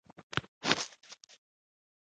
ګلداد وویل: نو که سپی نه وي.